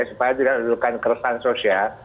supaya tidak dilakukan keresahan sosial